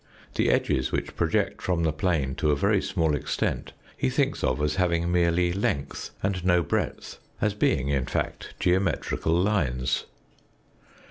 The edges which project from the plane to a very small extent he thinks of as having merely length and no breadth as being, in fact, geometrical lines.